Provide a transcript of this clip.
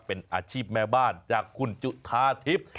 เป็นอาชีพแม่บ้านจากคุณจุธาทิพย์